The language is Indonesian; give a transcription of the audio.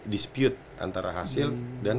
dispute antara hasil dan